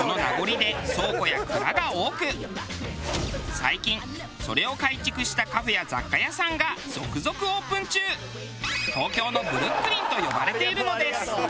最近それを改築したカフェや雑貨屋さんが続々オープン中。と呼ばれているのです。